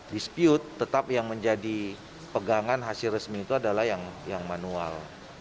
resmi itu adalah yang manual